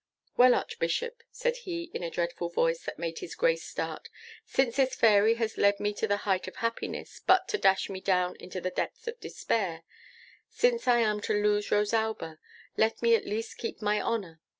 'Well, Archbishop,' said he in a dreadful voice, that made his Grace start, 'since this Fairy has led me to the height of happiness but to dash me down into the depths of despair, since I am to lose Rosalba, let me at least keep my honour.